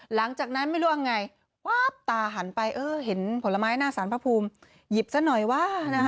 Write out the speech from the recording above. หลังจากนั้นไม่รู้ว่าไงวาบตาหันไปเออเห็นผลไม้หน้าสารพระภูมิหยิบซะหน่อยว่า